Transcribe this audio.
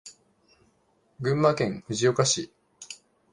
群馬県藤岡市